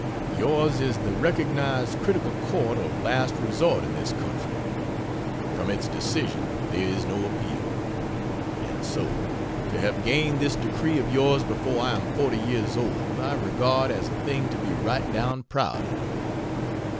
Yours is the recognized critical Court of Last Resort in this country; from its decision there is no appeal; and so, to have gained this decree of yours before I am forty years old, I regard as a thing to be right down proud of.